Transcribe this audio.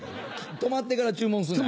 止まってから注文すんの。